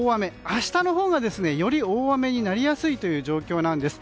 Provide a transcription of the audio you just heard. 明日のほうが、より大雨になりやすい状況なんです。